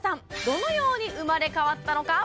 どのように生まれ変わったのか？